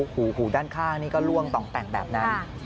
หูด้านข้างนี่ก็ล่วงต่องแต่งแบบนั้น